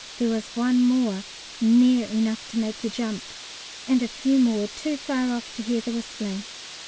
There was one more, near enough to make you jump, and a few more too far off to hear the whistling.